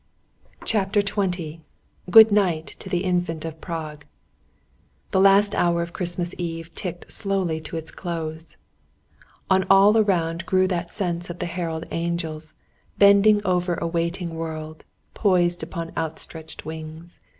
CHAPTER XX GOOD NIGHT TO THE INFANT OF PRAGUE The last hour of Christmas Eve ticked slowly to its close. On all around grew that sense of the herald angels, bending over a waiting world, poised upon outstretched wings.